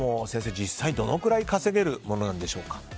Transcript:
実際どのくらい稼げるんでしょうか。